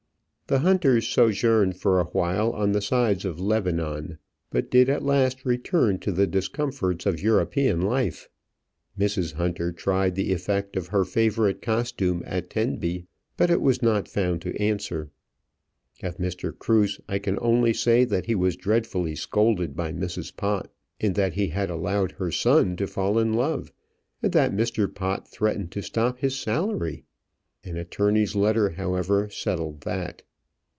The Hunters sojourned for awhile on the sides of Lebanon, but did at last return to the discomforts of European life. Mrs. Hunter tried the effect of her favourite costume at Tenby, but it was not found to answer. Of Mr. Cruse, I can only say that he was dreadfully scolded by Mrs. Pott, in that he had allowed her son to fall in love; and that Mr. Pott threatened to stop his salary. An attorney's letter, however, settled that.